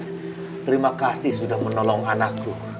terima kasih sudah menolong anakku